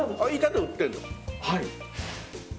はい。